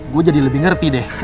gue jadi lebih ngerti deh